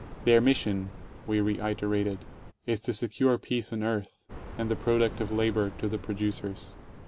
Their mission, we reiterated, is to secure peace on earth, and the product of labor to the producers.